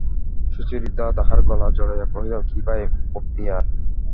সুচরিতা তাহার গলা জড়াইয়া কহিল, কী ভাই বক্তিয়ার!